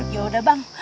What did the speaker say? ya udah bang